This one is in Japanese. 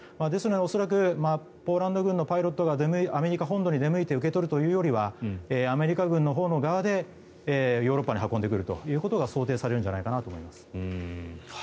ですので恐らくポーランド軍のパイロットがアメリカ本土に出向いて受け取るというよりはアメリカ軍の側でヨーロッパに運んでくるということが想定されるんじゃないかと思います。